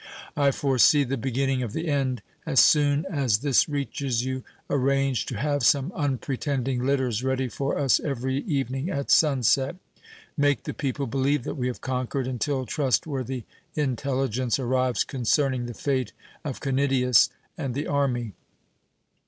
I foresee the beginning of the end. As soon as this reaches you, arrange to have some unpretending litters ready for us every evening at sunset. Make the people believe that we have conquered until trustworthy intelligence arrives concerning the fate of Canidius and the army.